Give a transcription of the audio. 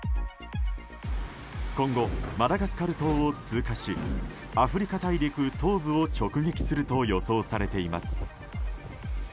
今後、マダガスカル島を通過しアフリカ大陸東部を直撃すると予想されています。